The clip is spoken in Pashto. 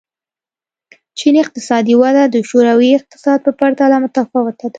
چین اقتصادي وده د شوروي اتحاد په پرتله متفاوته ده.